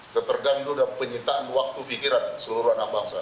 keterganggu dan penyitaan waktu pikiran seluruh anak bangsa